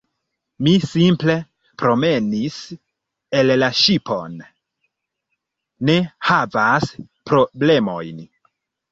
Mi simple promenis el la ŝipon. Ne havas problemojn